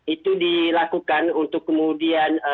itu dilakukan untuk kemudian